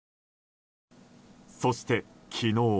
そして、昨日。